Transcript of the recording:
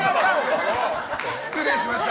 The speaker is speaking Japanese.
失礼しました。